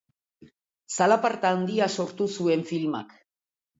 Zalaparta handia sortu zuen filmak.